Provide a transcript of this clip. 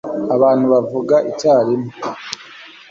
abantu bavuga icyarimwe